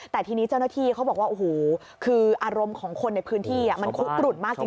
แต่ทีนี้เจ้าหน้าที่เขาบอกว่าโอ้โหคืออารมณ์ของคนในพื้นที่มันคุกกลุ่นมากจริง